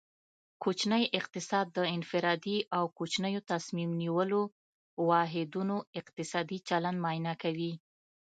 کوچنی اقتصاد د انفرادي او کوچنیو تصمیم نیولو واحدونو اقتصادي چلند معاینه کوي